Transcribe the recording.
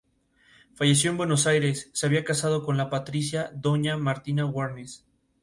Falleció en Buenos Aires, se había casado con la "patricia" doña Martina Warnes.